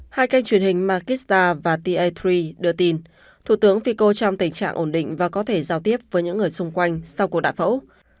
hai kênh truyền hình makista và t atri đưa tin thủ tướng fico trong tình trạng ổn định và có thể giao tiếp với những người xung quanh sau cuộc đã phẫu